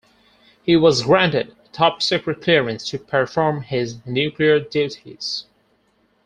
He was granted a Top Secret clearance to perform his nuclear duties.